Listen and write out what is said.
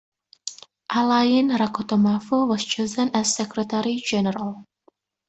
Alain Rakotomavo was chosen as Secretary-General.